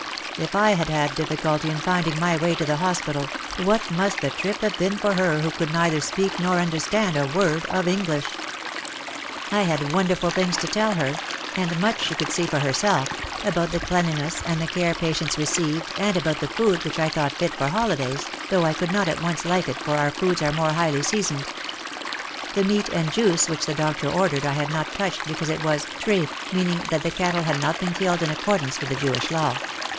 If I had had difficulty in finding my way to the hospital, what must the trip have been for her who could neither speak nor understand a word of English. 236 OUT OF THE SHADOW I had wonderful things to tell her (and much she could see for herself) about the cleanliness and the care patients received and about the food which I thought fit for holidays, though I could not at once like it for our foods are more highly seasoned. The meat and juice which the doctor ordered I had not touched because it was "trafe" (meaning that the cattle had not been killed in accordance with the Jewish law).